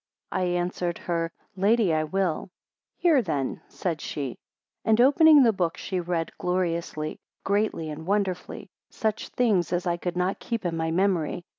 I answered her, Lady, I will. 26 Hear then, said she; and opening the book she read, gloriously, greatly, and wonderfully, such things as I could not keep in my memory.